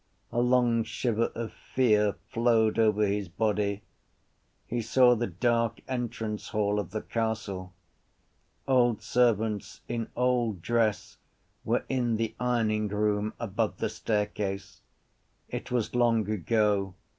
A long shiver of fear flowed over his body. He saw the dark entrance hall of the castle. Old servants in old dress were in the ironingroom above the staircase. It was long ago.